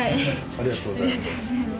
ありがとうございます。